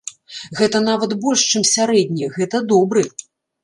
Гэта нават больш чым сярэдні, гэта добры.